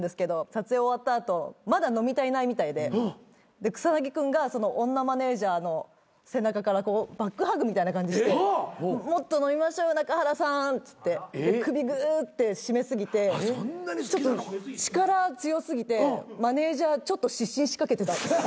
撮影終わった後まだ飲み足りないみたいで草薙君がその女マネジャーの背中からバックハグみたいな感じで「もっと飲みましょう中原さん」っつって首グーッて絞め過ぎてちょっと力強過ぎてマネジャーちょっと失神しかけてた。